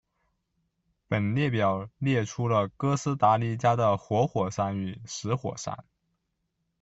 本列表列出了哥斯达黎加的活火山与死火山。